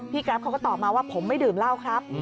กราฟเขาก็ตอบมาว่าผมไม่ดื่มเหล้าครับ